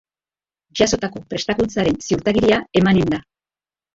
Jasotako prestakuntzaren ziurtagiria emanen da.